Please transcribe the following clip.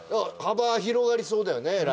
幅広がりそうだよね